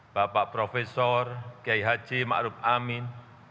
bapak profesor gai haji ma ruf amin